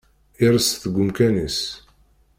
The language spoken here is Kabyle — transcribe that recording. Ires deg umkan-is.